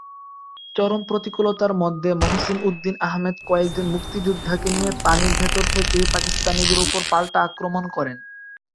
চরম প্রতিকূলতার মধ্যে মহসীন উদ্দীন আহমেদ কয়েকজন মুক্তিযোদ্ধাকে নিয়ে পানির ভেতর থেকেই পাকিস্তানিদের ওপর পাল্টা আক্রমণ করেন।